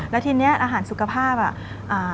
แล้วทีนี้อาหารสุขภาพอ่ะ